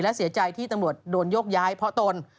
และเสียใจที่ตำรวจโดนโยกย้ายเพราะตน